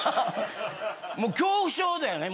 もう恐怖症だよね